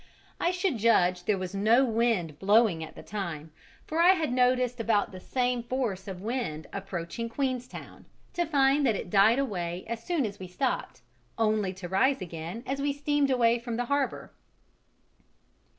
I should judge there was no wind blowing at the time, for I had noticed about the same force of wind approaching Queenstown, to find that it died away as soon as we stopped, only to rise again as we steamed away from the harbour.